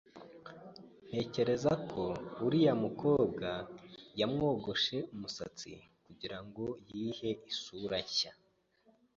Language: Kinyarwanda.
Ntekereza ko uriya mukobwa yamwogoshe umusatsi kugirango yihe isura nshya.